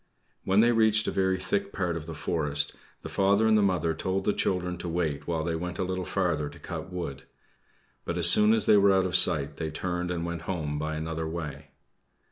When they reached a very thick part of the forest, the father and mother told the children to wait while they went a little farther to cut wood, but as soon as they were out of sight they turned and went home by another way.